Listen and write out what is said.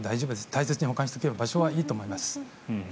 大切に保管すれば場所はいいと思います。